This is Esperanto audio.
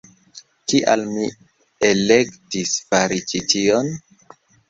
Kial mi elektis fari ĉi tion?